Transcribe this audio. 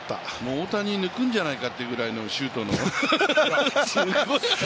大谷抜くんじゃないかというぐらいの周東の走り。